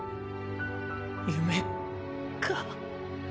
夢か。